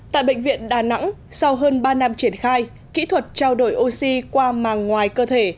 tại bệnh viện đà nẵng sau hơn ba năm triển khai kỹ thuật trao đổi oxy qua màng ngoài cơ thể